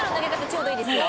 ちょうどいいですよ。